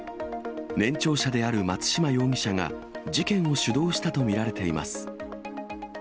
年長者である松嶋容疑者が事件を主導したと見られています。